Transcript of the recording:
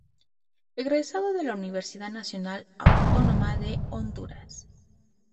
Egresado de la Universidad Nacional Autónoma de Honduras.